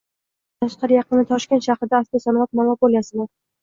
Bundan tashqari, yaqinda Toshkent shahrida avtosanoat monopoliyasi bor